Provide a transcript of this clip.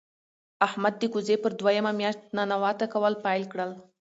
احمد د کوزې پر دویمه مياشت ننواته کول پیل کړل.